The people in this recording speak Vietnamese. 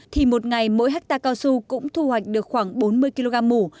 thì một ngày mỗi hectare cao su cũng thu hoạch được khoảng bốn mươi kg mù